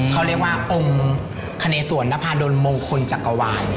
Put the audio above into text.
เขาเรียกว่าองค์คเนสวนนภาดลมงคลจักรวาล